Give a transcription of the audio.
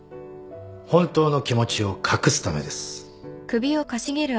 本当の気持ちを隠すためです。